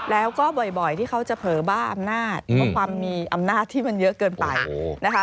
แล้วก็บ่อยที่เขาจะเผลอบ้าอำนาจเพราะความมีอำนาจที่มันเยอะเกินไปนะคะ